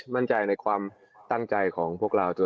มั่นใจในความตั้งใจของพวกเรา